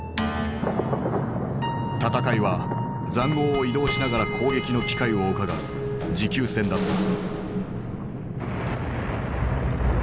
戦いは塹壕を移動しながら攻撃の機会をうかがう持久戦だった。